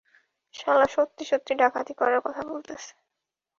শালা, সত্যি সত্যি ডাকাতি করার কথা বলতেসে।